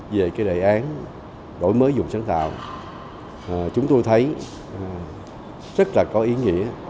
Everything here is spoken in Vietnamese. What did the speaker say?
về cái đề án đổi mới dùng sáng tạo chúng tôi thấy rất là có ý nghĩa